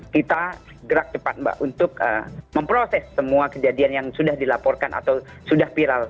kita gerak cepat mbak untuk memproses semua kejadian yang sudah dilaporkan atau sudah viral